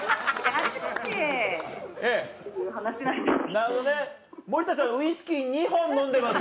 なるほどね森田さんウイスキー２本飲んでます？